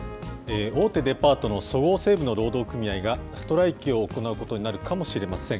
大手デパートのそごう・西武の労働組合がストライキを行うことになるかもしれません。